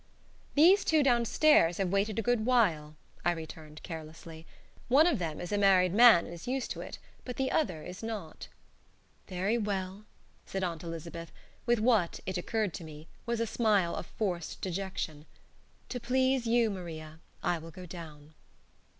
"These two downstairs have waited a good while," I returned, carelessly. "One of them is a married man and is used to it. But the other is not." "Very well," said Aunt Elizabeth, with what (it occurred to me) was a smile of forced dejection. "To please you, Maria, I will go down."